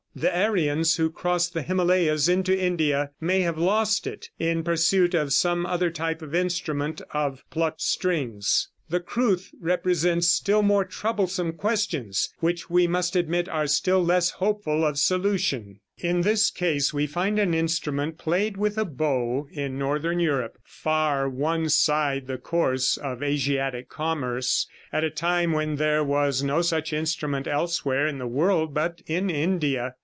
The Aryans who crossed the Himalayas into India may have lost it, in pursuit of some other type of instrument of plucked strings. The crwth presents still more troublesome questions, which we must admit are still less hopeful of solution. (See Fig. 22.) In this case we find an instrument played with a bow in northern Europe, far one side the course of Asiatic commerce, at a time when there was no such instrument elsewhere in the world but in India.